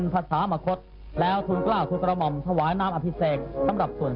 จากนั้นเวลา๑๑นาฬิกาเศรษฐ์พระธินั่งไพรศาลพักศิลป์